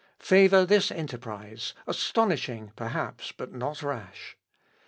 Favour this enterprise; astonishing, perhaps, but not rash.